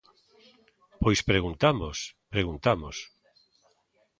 Pois preguntamos, preguntamos.